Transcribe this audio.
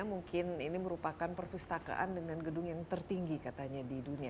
mungkin ini merupakan perpustakaan dengan gedung yang tertinggi katanya di dunia